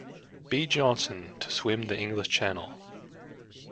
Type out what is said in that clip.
B. Johnson to swim the English Channel.